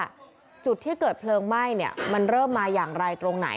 จุดที่เกิดเพลิงไหม้เนี่ยมันเริ่มมาอย่างไรตรงไหน